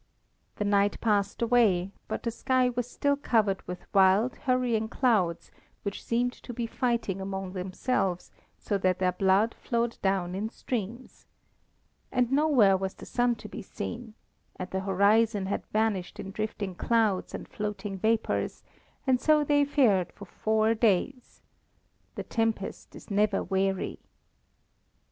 The night passed away, but the sky was still covered with wild, hurrying clouds which seemed to be fighting among themselves so that their blood flowed down in streams. And nowhere was the sun to be seen, and the horizon had vanished in drifting clouds and floating vapours and so they fared for four days. The tempest is never weary.